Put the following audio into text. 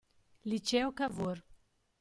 Liceo Cavour